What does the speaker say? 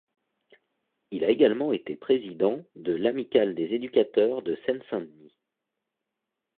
Il a également été Président de l'Amicale des Éducateurs de Seine-Saint-Denis.